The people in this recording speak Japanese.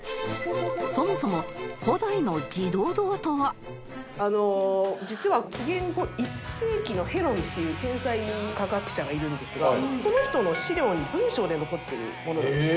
そもそもあの実は紀元後１世紀のヘロンっていう天才科学者がいるんですがその人の資料に文章で残っているものなんですね。